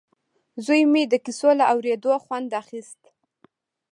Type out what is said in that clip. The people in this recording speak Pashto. زوی مې د کیسو له اورېدو خوند اخیست